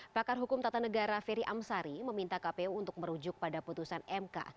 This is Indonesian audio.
pakar hukum tata negara ferry amsari meminta kpu untuk merujuk pada putusan mk